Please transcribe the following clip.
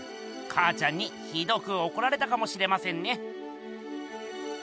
かあちゃんにひどくおこられたかもしれませんね。